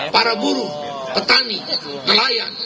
para buruh petani nelayan